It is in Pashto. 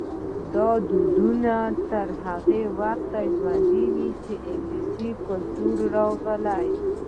دا دودونه تر هغه وخته ژوندي وو چې انګلیسي کلتور راغی.